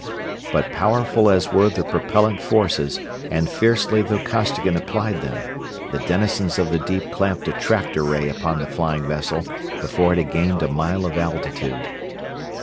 But powerful as were the propellant forces and fiercely though Costigan applied them, the denizens of the deep clamped a tractor ray upon the flying vessel before it had gained a mile of altitude.